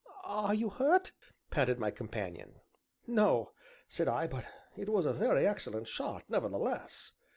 "Are you hurt?" panted my companion. "No," said I, "but it was a very excellent shot nevertheless!"